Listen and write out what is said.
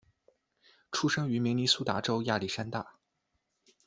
出生于明尼苏达州亚历山大。